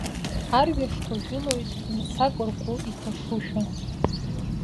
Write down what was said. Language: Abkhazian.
Арҩашқәа жәылоит мцак ргәы иҭашушәа.